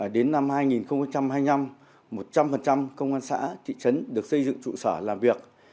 đến năm hai nghìn hai mươi năm một trăm linh công an xã thị trấn được xây dựng trụ sở làm việc